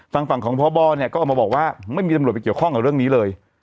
ฝั่งของพบเนี่ยก็ออกมาบอกว่าไม่มีตำรวจไปเกี่ยวข้องกับเรื่องนี้เลย